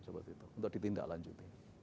seperti itu untuk ditindak lanjuti